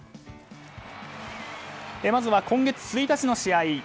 まずは今月１日の試合。